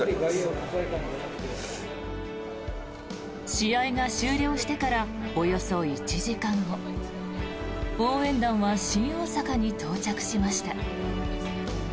試合が終了してからおよそ１時間後応援団は新大阪に到着しました。